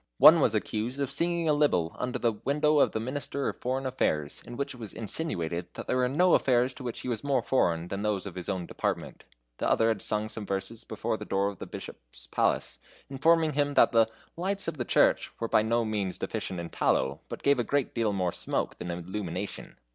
One was accused of singing a libel under the window of the Minister of Foreign Affairs, in which it was insinuated that there were no affairs to which he was more foreign than those of his own department. The other had sung some verses before the door of the Bishop's palace, informing him that the "lights of the church" were by no means deficient in tallow, but gave a great deal more smoke than illumination.